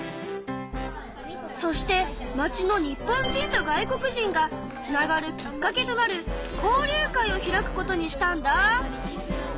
そして町の日本人と外国人がつながるきっかけとなる交流会を開くことにしたんだ。